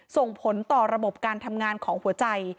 ส่งผลต่อระบบการทำงานของหัวใจ